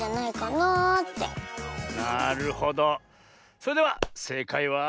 それではせいかいは。